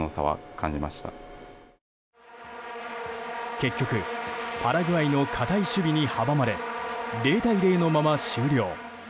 結局、パラグアイの堅い守備に阻まれ、０対０のまま終了。